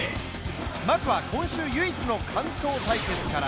まずは今週、唯一の関東対決から。